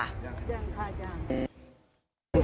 ยังค่ะยัง